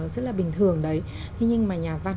tình thường đấy nhưng mà nhà văn